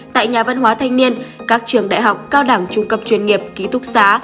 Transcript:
tại nhà văn hóa thanh niên các trường đại học cao đảng trung cập chuyên nghiệp ký túc xá